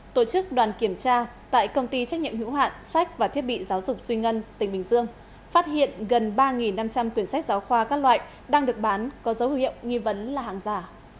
tổ chức đoàn kiểm tra tại công ty trách nhiệm hữu hạn sách và thiết bị giáo dục suy ngân tỉnh bình dương phát hiện gần ba năm trăm linh quyển sách giáo khoa các loại đang được bán có dấu hiệu nghi vấn là hàng giả